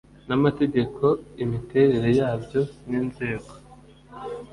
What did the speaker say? n amategeko imiterere yabyo n inzego